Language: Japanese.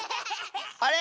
あれ？